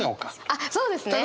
あっそうですね！